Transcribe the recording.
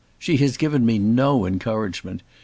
She has given me no encouragement.